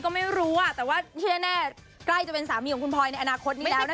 ก็ไม่รู้แต่ว่าที่แน่ใกล้จะเป็นสามีของคุณพลอยในอนาคตนี้แล้วนะคะ